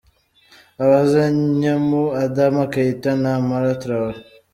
Abazanyemu: Adama Keita, na Amara Traore.